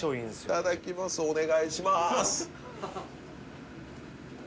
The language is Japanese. いただきますお願いします